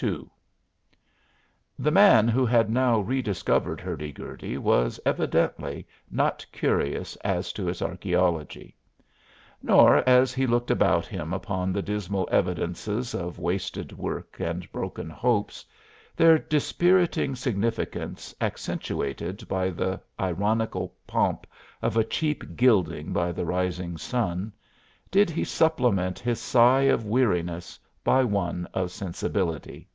II The man who had now rediscovered Hurdy Gurdy was evidently not curious as to its archæology. Nor, as he looked about him upon the dismal evidences of wasted work and broken hopes, their dispiriting significance accentuated by the ironical pomp of a cheap gilding by the rising sun, did he supplement his sigh of weariness by one of sensibility.